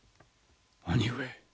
兄上。